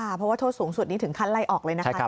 เพราะว่าโทษสูงสุดนี้ถึงขั้นไล่ออกเลยนะคะ